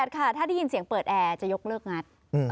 ค่ะถ้าได้ยินเสียงเปิดแอร์จะยกเลิกงัด